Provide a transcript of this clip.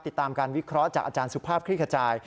ติดตามการวิเคราะห์จากอาจารย์สุภาพคลี่ขจาย